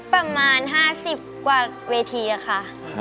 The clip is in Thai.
ประมาณ๕๐กว่าเวทีค่ะ